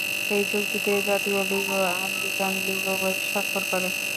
এই চুক্তিতে জাতীয় লিগ ও আমেরিকান লিগ উভয়ই স্বাক্ষর করে।